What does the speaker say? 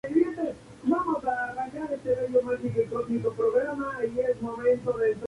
Al tomar el mando del Concejo Municipal, el distrito empezó a cambiar.